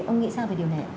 ông nghĩ sao về điều này